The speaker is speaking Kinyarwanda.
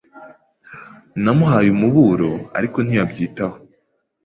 Namuhaye umuburo, ariko ntiyabyitaho.